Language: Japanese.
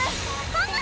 パム！